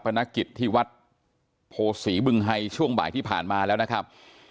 นักกิจที่วัดโพศีบึงไฮช่วงบ่ายที่ผ่านมาแล้วนะครับ